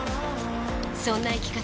そんな生き方